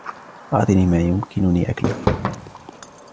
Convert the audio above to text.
أعطني ما يمكنني أكله.